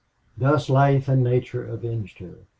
Thus life and nature avenged her.